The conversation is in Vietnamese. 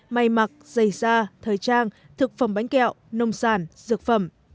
may mặc giày da thời trang thực phẩm bánh kẹo nông sản dược phẩm